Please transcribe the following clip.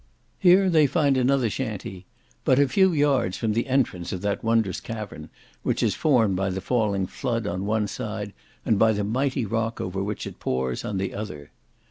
Here they find another shantee, but a few yards from the entrance of that wondrous cavern which is formed by the falling flood on one side, and by the mighty rock over which it pours, on the other.